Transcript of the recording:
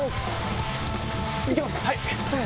行けます！